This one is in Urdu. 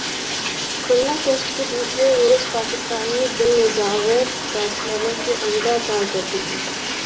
کھلنا ٹیسٹ کے دوسرے روز پاکستانی بالرزاور بیٹسمینوں کی عمدہ کارکردگی